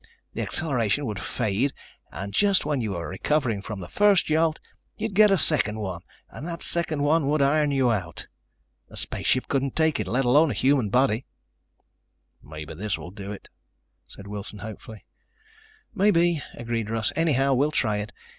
The acceleration would fade and just when you were recovering from the first jolt, you'd get a second one and that second one would iron you out. A spaceship couldn't take it, let alone a human body." "Maybe this will do it," said Wilson hopefully. "Maybe," agreed Russ. "Anyhow we'll try it.